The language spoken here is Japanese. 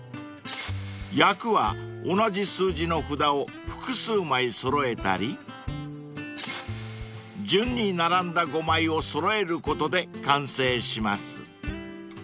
［役は同じ数字の札を複数枚揃えたり順に並んだ５枚を揃えることで完成します］